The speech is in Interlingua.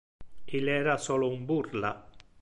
Il era solo un burla.